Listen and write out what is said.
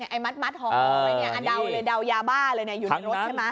ไอ้มัดห่อลงไปเนี่ยเดาเลยเดายาบ้าเลยอยู่ในรถใช่ไหม